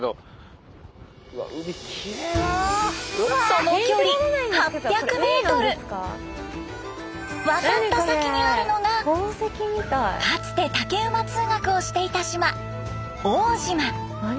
その距離渡った先にあるのがかつて竹馬通学をしていた島奥武島。